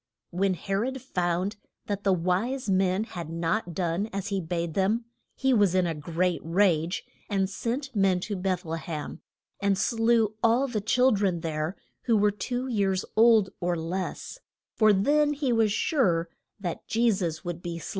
When He rod found that the wise men had not done as he bade them, he was in a great rage, and sent men to Beth le hem, and slew all the chil dren there who were two years old or less, for then he was sure that Je sus would be slain.